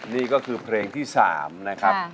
นี่ก็คือเพลงที่๓นะครับ